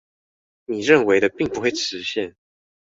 你認為的並不會實現